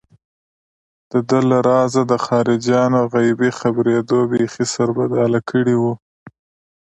دده له رازه د خارجيانو غيبي خبرېدو بېخي سربداله کړی و.